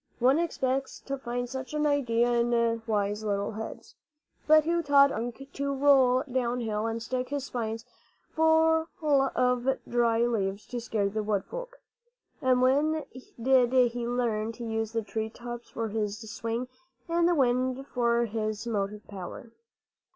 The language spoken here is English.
One expects to find such an idea in wise little heads. But who taught Unk Wunk to roll downhill and stick his spines full of dry leaves to scare the wood folk? And when did he learn to use the tree tops for his swing and the wind for his motive power?